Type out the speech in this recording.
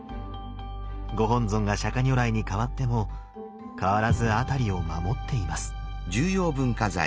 ご本尊が釈如来に変わっても変わらず辺りを守っています。